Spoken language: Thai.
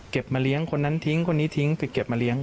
มาเลี้ยงคนนั้นทิ้งคนนี้ทิ้งไปเก็บมาเลี้ย